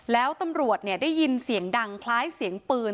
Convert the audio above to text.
แล้วตำรวจได้ยินเสียงดังคล้ายเสียงปืน